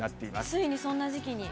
ついにそんな時期に。